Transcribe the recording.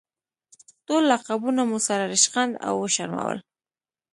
ټول لقبونه مو سره ریشخند او وشرمول.